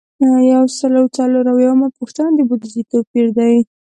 یو سل او څلور اویایمه پوښتنه د بودیجې توپیر دی.